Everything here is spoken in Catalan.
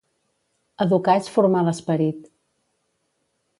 Educar és formar l'esperit.